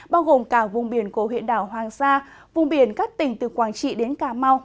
bao gồm cả vùng biển của huyện đảo hoàng sa vùng biển các tỉnh từ quảng trị đến cà mau